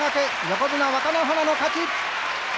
横綱若乃花の勝ち。